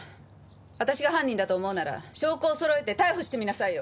私が犯人だと思うなら証拠をそろえて逮捕してみなさいよ！